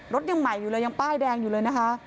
รถยังใหม่อยู่เลยยังป้ายแดงอยู่เลยนะคะ